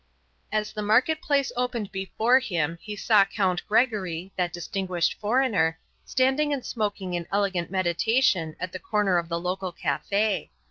As the market place opened before him he saw Count Gregory, that distinguished foreigner, standing and smoking in elegant meditation at the corner of the local café.